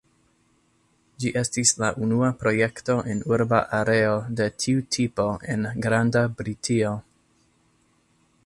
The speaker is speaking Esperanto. Ĝi estis la unua projekto en urba areo de tiu tipo en Granda Britio.